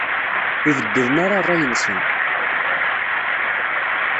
Ur beddlen ara ṛṛay-nsen.